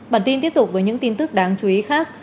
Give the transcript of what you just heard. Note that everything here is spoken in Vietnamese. bản tin tiếp tục với những tin tức đáng chú ý khác